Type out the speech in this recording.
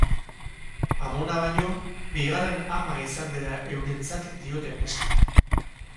Amona baino, bigarren ama izan dela eurentzat diote neskak.